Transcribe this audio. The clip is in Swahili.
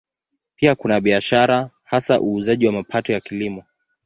Pia kuna biashara, hasa uuzaji wa mapato ya Kilimo.